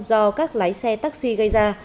do các lái xe taxi gây ra